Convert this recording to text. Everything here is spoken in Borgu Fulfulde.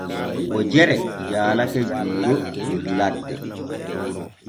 Wojere jaalake Juuro der ladde.